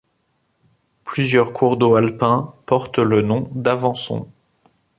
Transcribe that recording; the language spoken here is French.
Plusieurs cours d'eau alpins portent le nom d'Avançon.